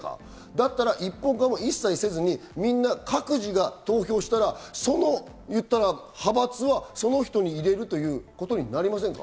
だったら一本化せずに、各自が投票したら、その派閥はその人に入れるということになりませんか？